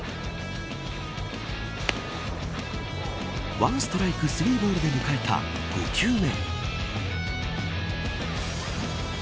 １ストライク３ボールで迎えた５球目。